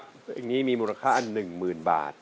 เพลงนี้มีมูลค่า๑๐๐๐บาท